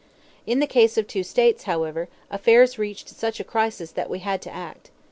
In the case of two states, however, affairs reached such a crisis that we had to act.